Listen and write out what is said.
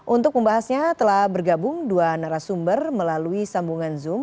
untuk membahasnya telah bergabung dua narasumber melalui sambungan zoom